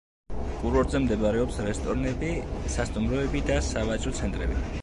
კურორტზე მდებარეობს რესტორნები, სასტუმროები და სავაჭრო ცენტრები.